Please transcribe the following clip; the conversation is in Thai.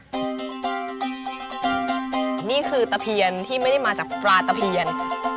อันนี้คือตะเพียงที่ไม่ได้มาจากจากปลาตะเพียง